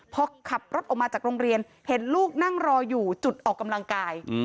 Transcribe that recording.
พอขับรถออกมาจากโรงเรียนเห็นลูกนั่งรออยู่จุดออกกำลังกาย